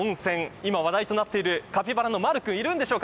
今、話題となってるカピバラのまる君、いるんでしょうか。